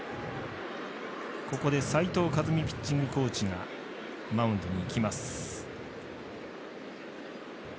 ここで斉藤和巳ピッチングコーチがマウンドに行きます。